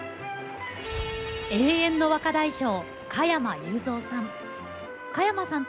永遠の若大将加山雄三さん。